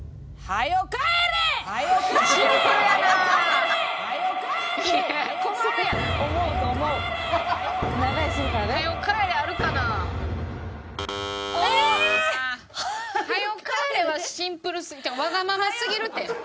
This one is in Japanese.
「はよ帰れ！」はシンプルすぎわがまますぎるって。